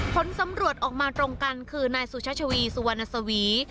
ผลสำรวจออกมาตรงกันคือนายสุชัชวีสุวรรณสวี